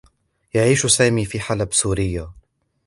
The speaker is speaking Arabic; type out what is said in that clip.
يعيش سامي في حلب، سوريا.